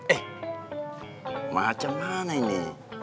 eh macam mana ini